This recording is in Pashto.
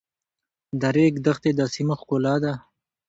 د ریګ دښتې د سیمو ښکلا ده.